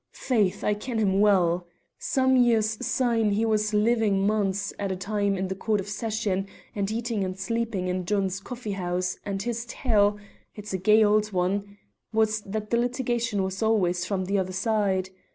"Faith, I ken him well. Some years syne he was living months at a time in the Court of Session, and eating and sleeping in John's Coffee house, and his tale it's a gey old one was that the litigation was always from the other side.